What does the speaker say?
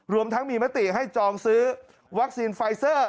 รวมทั้งมีมติให้จองซื้อวัคซีนไฟเซอร์